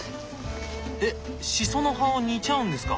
えっしその葉を煮ちゃうんですか。